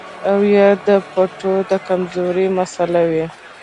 او يا د پټو د کمزورۍ مسئله وي